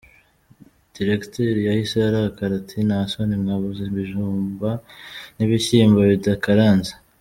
Directeur yahise arakara, ati nta soni mwabuze ibijumba n’ibishyimbo bidakaranze?